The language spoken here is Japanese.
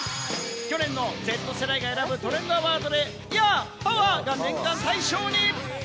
去年のＺ世代が選ぶトレンドアワードで「ヤー！パワー！」が年間大賞に。